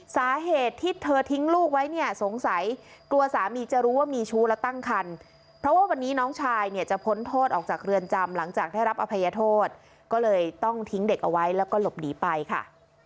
สาเหตุที่เธอทิ้งลูกไว้เนี่ยสงสัยกลัวสามีจะรู้ว่ามีชู้และตั้งคันเพราะว่าวันนี้น้องชายเนี่ยจะพ้นโทษออกจากเรือนจำหลังจากได้รับอภัยโทษก็เลยต้องทิ้งเด็กเอาไว้แล้วก็หลบหนีไปค่ะ